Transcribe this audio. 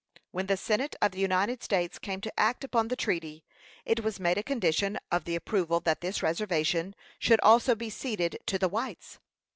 When the Senate of the United States came to act upon the treaty, it was made a condition of the approval that this reservation should also be ceded to the whites.